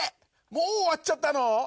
もう終わっちゃったの？